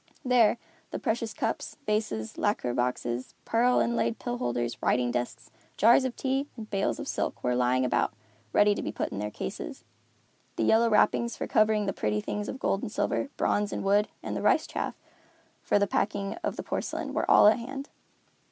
There, the precious cups, vases, lacquer boxes, pearl inlaid pill holders, writing desks, jars of tea, and bales of silk, were lying about, ready to be put into their cases. The yellow wrappings for covering the pretty things of gold and silver, bronze and wood, and the rice chaff, for the packing of the porcelain, were all at hand.